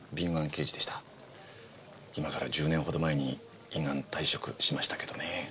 今から１０年ほど前に依願退職しましたけどね。